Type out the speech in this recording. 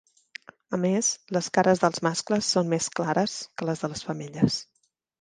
A més, les cares dels mascles són més clares que les de les femelles.